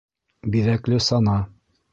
БИҘӘКЛЕ САНА